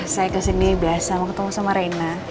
saya kesini biasa mau ketemu sama raina